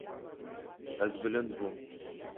Ez bilind bûm.